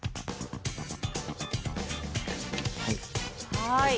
はい。